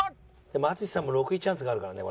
でも淳さんも６位チャンスがあるからね。